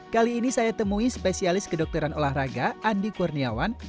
kali ini saya temui spesialis kedokteran olahraga andi kurniawan